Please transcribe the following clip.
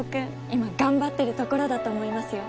今頑張ってるところだと思いますよ